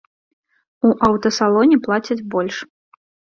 У аўтасалоне плацяць больш.